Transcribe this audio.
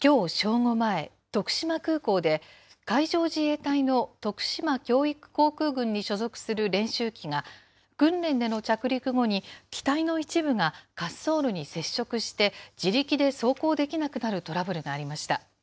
午前、徳島空港で、海上自衛隊の徳島教育航空群に所属する練習機が、訓練での着陸後に機体の一部が滑走路に接触して、自力で走行できなくなるトラブルがありました。